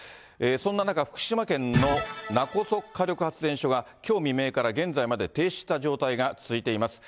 そんな中、福島県の勿来火力発電所が、きょう未明から現在まで停止した状態が続いています。